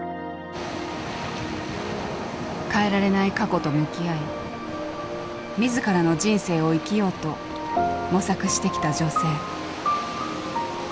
変えられない過去と向き合い自らの人生を生きようと模索してきた女性。